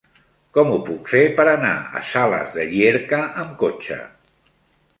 Com ho puc fer per anar a Sales de Llierca amb cotxe?